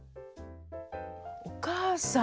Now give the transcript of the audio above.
お母さん。